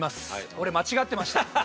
俺間違ってました。